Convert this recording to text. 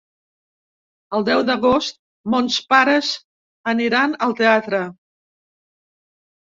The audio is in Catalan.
El deu d'agost mons pares aniran al teatre.